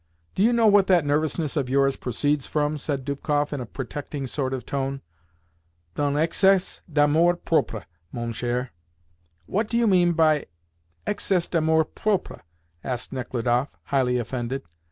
"Do you know what that nervousness of yours proceeds from?" said Dubkoff in a protecting sort of tone, "D'un excés d'amour propre, mon cher." "What do you mean by 'excés d'amour propre'?" asked Nechludoff, highly offended.